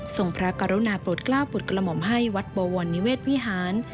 พระกรุณาโปรดกล้าปลดกระหม่อมให้วัดบวรนิเวศวิหาร